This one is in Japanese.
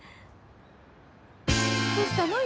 どうしたの？